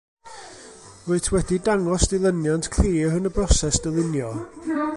Rwyt wedi dangos dilyniant clir yn y broses dylunio